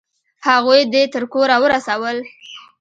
هغوی دې تر کوره ورسول؟